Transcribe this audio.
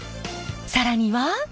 更には。